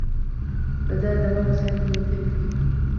بدأ دواء سامي يؤثّر فيه.